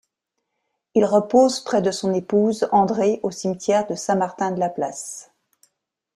Il repose près de son épouse Andrée au cimetière de Saint-Martin-de-la-Place.